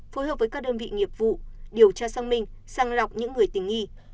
phối hợp với các đơn vị nghiệp vụ điều tra xăng minh sang lọc những người tình nghi